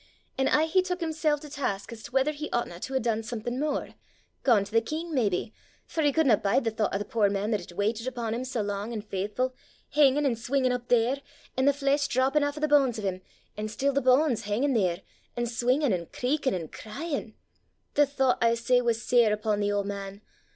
An' aye he tuik himsel' to task as to whether he ouchtna to hae dune something mair gane to the king maybe for he couldna bide the thoucht o' the puir man that had waitit upo' him sae lang an' faithfu', hingin' an' swingin' up there, an' the flesh drappin' aff the banes o' 'im, an' still the banes hingin' there, an' swingin' an' creakin' an' cryin'! The thoucht, I say, was sair upo' the auld man.